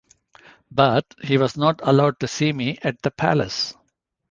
But he was not allowed to see me at the palace.